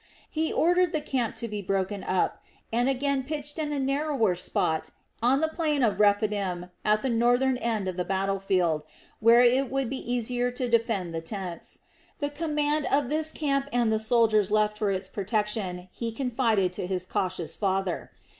He ordered the camp to be broken up and again pitched in a narrower spot on the plain of Rephidim at the northern end of the battle field, where it would be easier to defend the tents. The command of this camp and the soldiers left for its protection he confided to his cautious father.